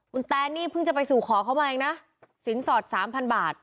คุณแตนนี่เพิ่งจะไปสู่ขอเขามาเองนะสินสอดสามพันบาท